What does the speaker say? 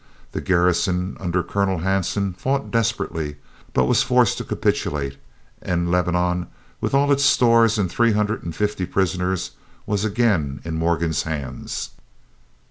The garrison under Colonel Hanson fought desperately, but was forced to capitulate, and Lebanon with all its stores and three hundred and fifty prisoners was again in Morgan's hands.